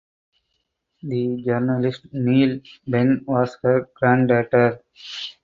The journalist Nele Benn was her granddaughter.